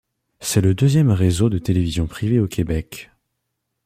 C'est le deuxième réseau de télévision privée au Québec.